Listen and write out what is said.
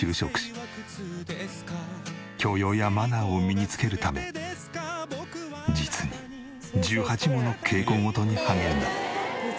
教養やマナーを身につけるため実に１８もの稽古事に励んだ。